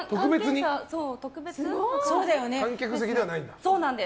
観客席ではないんだ。